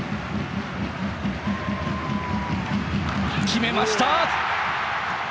決めました！